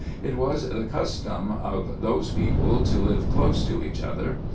It was the custom of those people to live close to each other.